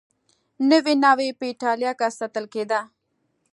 نوې ناوې په اېټالیا کې ساتل کېده.